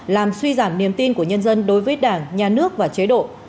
làm suy giảm niềm tin của nhân dân đối với đảng nhà nước và chế độ